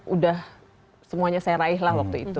udah semuanya saya raih lah waktu itu